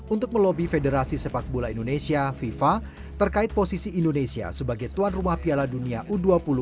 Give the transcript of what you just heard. untuk melobi federasi sepak bola indonesia fifa terkait posisi indonesia sebagai tuan rumah piala dunia u dua puluh dua